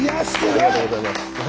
ありがとうございます。